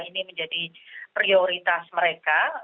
ini menjadi prioritas mereka